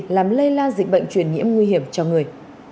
làm lây lan dịch bệnh truyền nhiễm nguy hiểm cho người